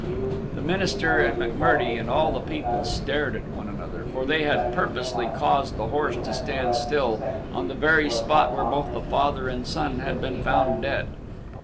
The minister and M'Murdie and all the people stared at one another, for they had purposely caused the horse to stand still on the very spot where both the father and son had been found dead.